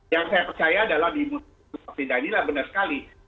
yang saya percaya adalah di mbak danila benar sekali